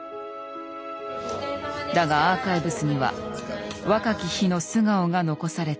だがアーカイブスには若き日の素顔が残されていた。